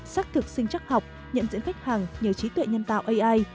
xác thực sinh chắc học nhận diễn khách hàng nhờ trí tuệ nhân tạo ai